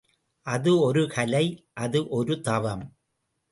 அது ஒரு கலை அது ஒரு தவம்.